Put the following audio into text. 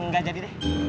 nggak jadi deh